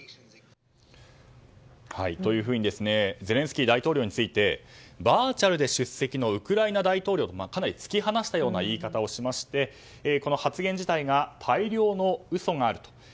ゼレンスキー大統領についてバーチャルで出席のウクライナ大統領とかなり突き放したような言い方をしましてこの発言自体が大量の嘘があると。